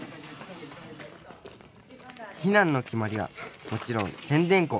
避難の決まりはもちろん「てんでんこ」。